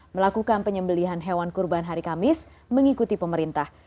melakukan penyembelian hewan kurban hari kamis mengikuti pemerintah